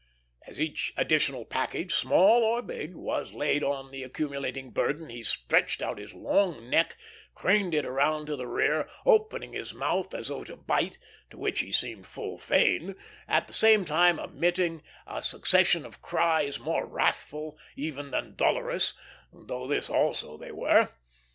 As each additional package, small or big, was laid on the accumulating burden, he stretched out his long neck, craned it round to the rear, opening his mouth as though to bite, to which he seemed full fain, at the same time emitting a succession of cries more wrathful even than dolorous, though this also they were.